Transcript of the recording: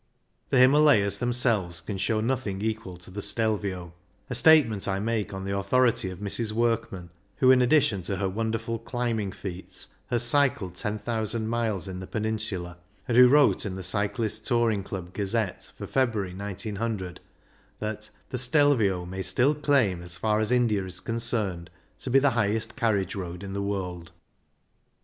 The Himalayas themselves can show nothing equal to the Stelvio, a statement I make on the author ity of Mrs. Workman, who, in addition to her wonderful climbing feats, has cycled ten thousand miles in the Peninsula, and 13 14 CYCLING IN THE ALPS who wrote in the Cyclists' Touring Club Gazette for Februar>% 1900, that the Stelvio may still claim, as far as India is concerned, to be the highest carriage road in the world."